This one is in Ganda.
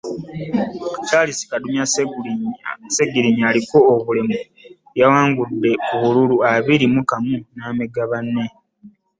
Charles Kadumya Sseggirinya aliko obulemu yawangudde ku bululu abiri mu kamu n’amegga banne.